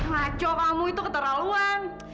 laco kamu itu keterlaluan